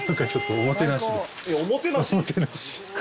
おもてなし！？